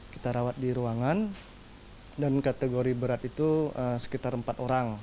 kita rawat di ruangan dan kategori berat itu sekitar empat orang